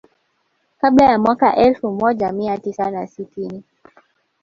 Kabla ya mwaka elfu moja mia tisa na sitini